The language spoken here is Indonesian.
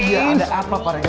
iya ada apa pak rega